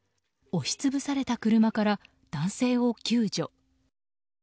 押し潰された車から男性を救助。